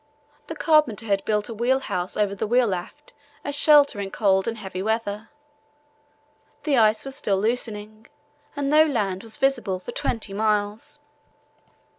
The carpenter had built a wheel house over the wheel aft as shelter in cold and heavy weather. The ice was still loosening and no land was visible for twenty miles.